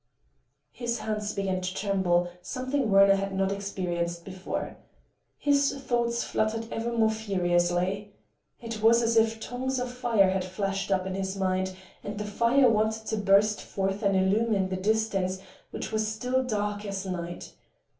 His hands began to tremble,—something Werner had not experienced before. His thoughts fluttered ever more furiously. It was as if tongues of fire had flashed up in his mind, and the fire wanted to burst forth and illumine the distance which was still dark as night.